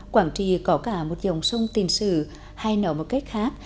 quảng trì có cả một dòng sông tình sự hay nói một cách khác